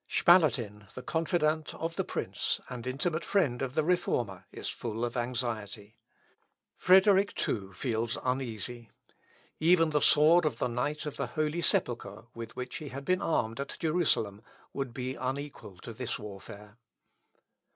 Spalatin the confidant of the prince, and intimate friend of the Reformer, is full of anxiety. Frederick, too, feels uneasy: even the sword of the Knight of the Holy Sepulchre, with which he had been armed at Jerusalem, would be unequal to this warfare.